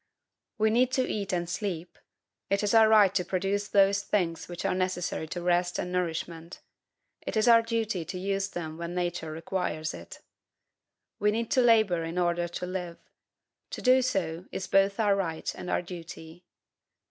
We need to eat and sleep. It is our right to procure those things which are necessary to rest and nourishment. It is our duty to use them when Nature requires it. We need to labor in order to live. To do so is both our right and our duty.